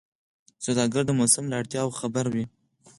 سوداګر د موسم له اړتیاوو خبر وي.